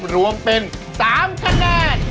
รวมเป็น๓คะแนน